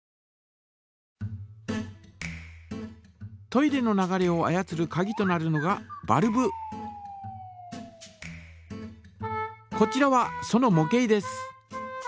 トイレの流れを操るかぎとなるのがこちらはそのも型です。